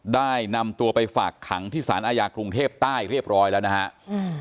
ได้นำตัวไปฝากขังที่สารอาญากรุงเทพใต้เรียบร้อยแล้วนะฮะอืม